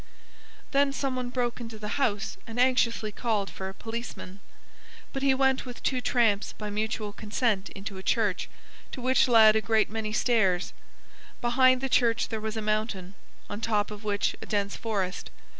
... Then some one broke into the house and anxiously called for a policeman. But he went with two tramps by mutual consent into a church, to which led a great many stairs; behind the church there was a mountain, on top of which a dense forest.